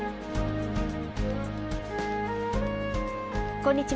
こんにちは。